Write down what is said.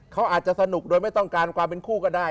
เขาอาจจะสนุกโดยไม่ต้องการความเป็นคู่ก็ได้